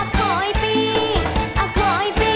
ขอบคุณครับ